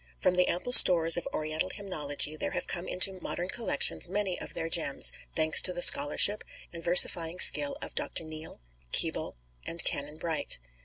From the ample stores of Oriental hymnology there have come into modern collections many of their gems, thanks to the scholarship and versifying skill of Dr. Neale, Keble, and Canon Bright.